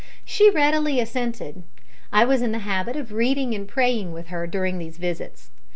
She readily assented. I was in the habit of reading and praying with her during these visits.